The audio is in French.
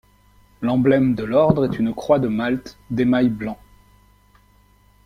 L’emblême de l’ordre est une croix de Malte d’émail blanc.